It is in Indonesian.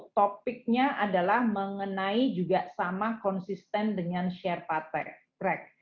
topiknya adalah mengenai juga sama konsisten dengan share partai